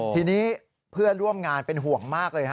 ทีนี้เพื่อนร่วมงานเป็นห่วงมากเลยฮะ